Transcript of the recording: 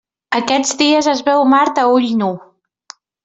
Aquests dies es veu Mart a ull nu.